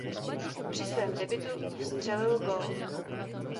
Při svém debutu vstřelil gól.